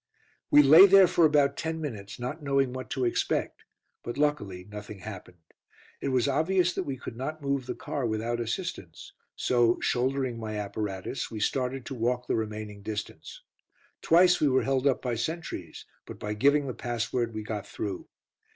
We lay there for about ten minutes, not knowing what to expect, but luckily nothing happened. It was obvious that we could not move the car without assistance, so shouldering my apparatus we started to walk the remaining distance. Twice we were held up by sentries, but by giving the password we got through.